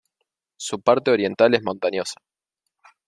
Su parte oriental es montañosa.